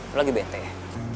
lo lagi bete ya